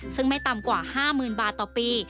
ซึ่งไม่ต่ำกว่า๕๐๐๐บาทต่อปี